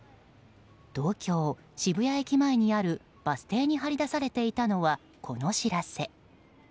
東京・渋谷駅前にあるバス停に貼り出されていたのはこの知らせ。